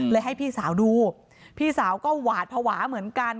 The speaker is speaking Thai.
ให้พี่สาวดูพี่สาวก็หวาดภาวะเหมือนกัน